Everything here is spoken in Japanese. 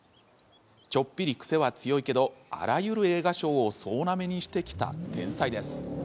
ちょっぴり癖は強いけどあらゆる映画賞を総なめにしてきた天才です。